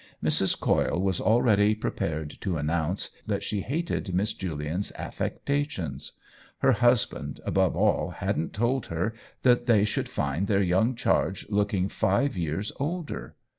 Mrs. Coyle was already prepared to announce that she hated Miss Julian's affectations. Her hus band, above all, hadn't told her that they should find their young charge looking five years older.